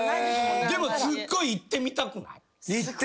でもすっごい行ってみたくない？